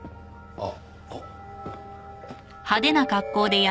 あっ。